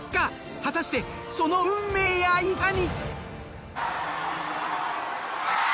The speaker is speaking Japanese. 果たしてその運命やいかに。